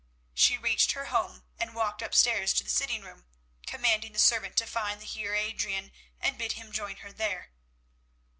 She reached her home and walked upstairs to the sitting room, commanding the servant to find the Heer Adrian and bid him join her there.